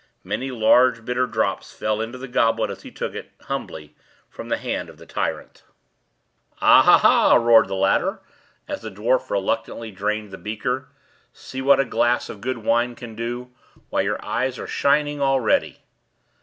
Many large, bitter drops fell into the goblet as he took it, humbly, from the hand of the tyrant. "Ah! ha! ha! ha!" roared the latter, as the dwarf reluctantly drained the beaker. "See what a glass of good wine can do! Why, your eyes are shining already!"